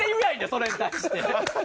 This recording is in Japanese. それに対して。